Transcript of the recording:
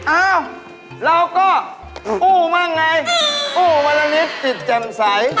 อ้าวเราก็ผู้มั่งไงผู้มันนิดติดจันทรัย